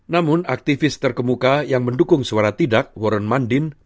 namun aktivis terkemuka yang mendukung suara tidak warren mundine